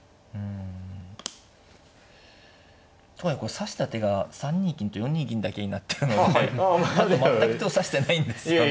指した手が３二金と４二銀だけになっちゃうので全く手を指してないんですよね。